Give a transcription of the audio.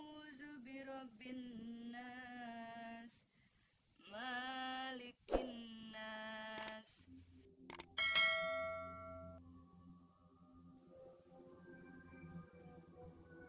masih berada di sekitar tujuan sini